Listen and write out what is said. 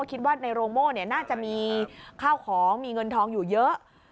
คิดว่าในโรงโม่น่าจะมีข้าวของมีเงินทองอยู่เยอะ